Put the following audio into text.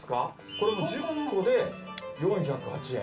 これも１０個で４０８円？